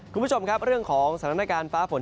คุณผู้ชมครับเรื่องของสถานการณ์ฟ้าฝน